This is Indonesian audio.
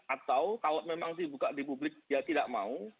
atau kalau memang dibuka di publik ya tidak mau